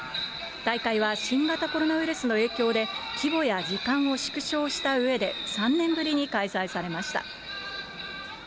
大会は新型コロナウイルスの影響で、規模や時間を縮小したうえで、３年ぶりに開催されました。